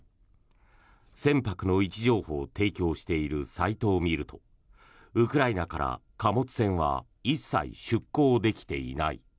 船舶の位置情報を提供しているサイトを見るとウクライナから貨物船は一切出港できていない。